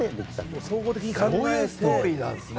そういうストーリーなんですね